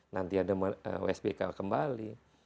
nanti ada wsbk kembali